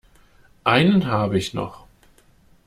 Einen habe ich noch.